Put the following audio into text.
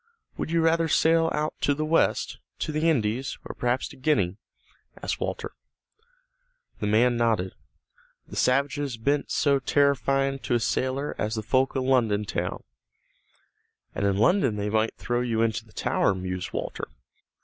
"Would you rather sail out to the west, to the Indies, or perhaps to Guiana?" asked Walter. The man nodded. "The savages be'nt so terrifyin' to a sailor as the folk o' London town." "And in London they might throw you into the Tower," mused Walter.